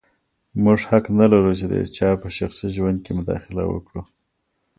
موږ حق نه لرو چې د یو چا په شخصي ژوند کې مداخله وکړو.